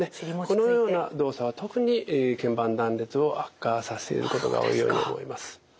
このような動作は特にけん板断裂を悪化させることが多いように思います。